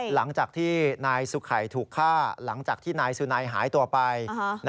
หลังจากที่นายสุขัยถูกฆ่าหลังจากที่นายสุนัยหายตัวไป